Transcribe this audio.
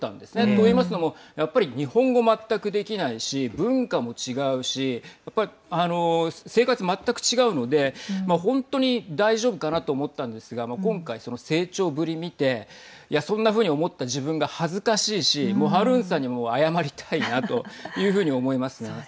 といいますのもやっぱり日本語全くできないし文化も違うしやっぱり生活、全く違うので本当に大丈夫かなと思ったんですが今回その成長ぶり見てそんなふうに思った自分が恥ずかしいしもうハルーンさんにも謝りたいなというふうに思いますね。